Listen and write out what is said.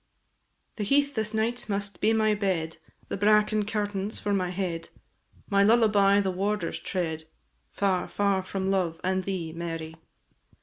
The heath this night must be my bed, The bracken curtains for my head, My lullaby the warder's tread, Far, far from love and thee, Mary.